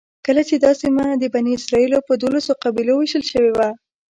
کله چې دا سیمه د بني اسرایلو په دولسو قبیلو وېشل شوې وه.